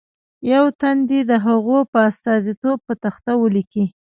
یو تن دې د هغو په استازیتوب په تخته ولیکي.